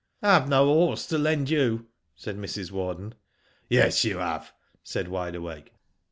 ''" I have no horse to lend you," said Mrs. War den. " Yes you have," said Wide Awake.